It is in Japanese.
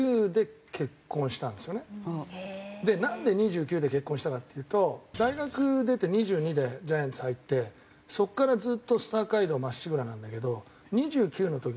でなんで２９で結婚したかっていうと大学出て２２でジャイアンツ入ってそこからずっとスター街道まっしぐらなんだけど。